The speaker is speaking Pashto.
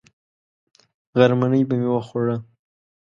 غرمنۍ به مې وخوړه.